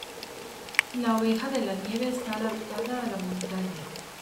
La oveja de la nieve está adaptada a la montaña.